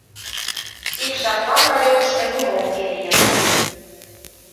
Ик жаплан ларёкышто нимо уке лийын.